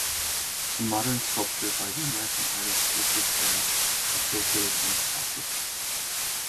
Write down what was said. A modern sculpture by the American artist Richard Serra is located on this passage.